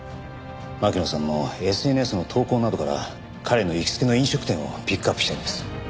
巻乃さんのＳＮＳの投稿などから彼の行きつけの飲食店をピックアップしたいんです。